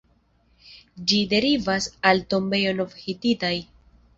Ĝi derivas el tombejoj nov-hititaj.